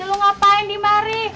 eh lu ngapain di mari